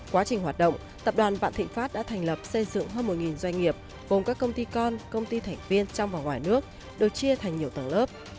quá trình hoạt động tập đoàn vạn thịnh pháp đã thành lập xây dựng hơn một doanh nghiệp gồm các công ty con công ty thành viên trong và ngoài nước được chia thành nhiều tầng lớp